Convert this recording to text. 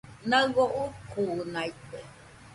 Naɨio ukunaite